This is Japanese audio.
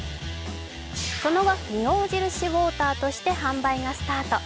その後、仁王印ウォーターとして販売がスタート。